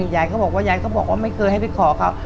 ยายก็บอกว่ายายก็บอกว่าไม่เคยให้ไปขอเขา